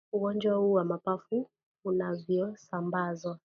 ugonjwa huu wa mapafu unavyosambazwa